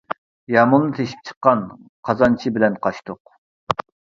يامۇلنى تېشىپ چىققان، قازانچى بىلەن قاچتۇق.